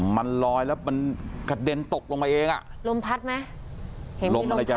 มันลอยแล้วมันกระเด็นตกลงไปเองอ่ะลมพัดไหมเห็นลมอะไรจะ